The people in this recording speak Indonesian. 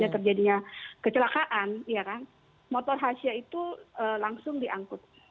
terjadinya kecelakaan ya kan motor hasil itu langsung diangkut